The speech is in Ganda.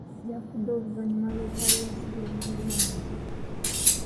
Yafudde oluvannyuma lw'olutalo lw'ensikirano oluwanvu.